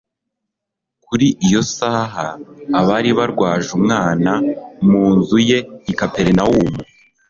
Kuri iyo saha, abari barwaje umwana, mu nzu ye i Kaperinaumu,